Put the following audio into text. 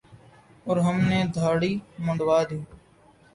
اور ہم نے دھاڑی منڈوادی